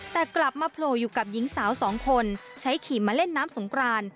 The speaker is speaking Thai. แต่กลับมาโผล่อยู่กับหญิงสาวสองคนใช้ขี่มาเล่นน้ำสงกราน